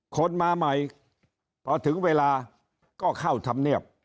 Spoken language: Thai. คนมาใหม่พอถึงเวลาก็เข้าธรรมเนียบ